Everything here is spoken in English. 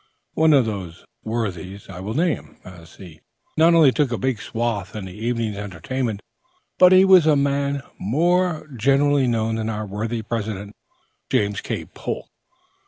One of these worthies I will name, as he not only took a big swath in the evening's entertainment, but he was a man more generally known than our worthy President, James K. Polk.